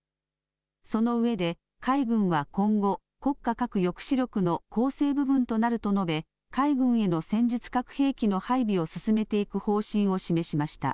そのうえで海軍は今後、国家核抑止力の構成部分となると述べ海軍への戦術核兵器の配備を進めていく方針を示しました。